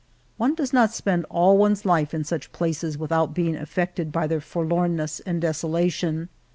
One does not spend all one's life in such places with out being affected by their forlornness and desolation.